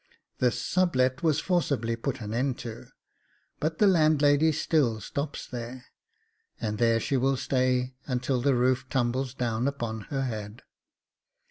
This sub let was forcibly put an end to, but the landlady still stops there, and there she will stay until the roof tumbles down upon her head.